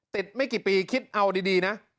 ไม่กี่ปีคิดเอาดีนะ